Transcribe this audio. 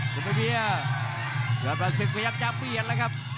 ซุปเปอร์เบียร์ยอดศึกพยายามจะเบียดแล้วครับ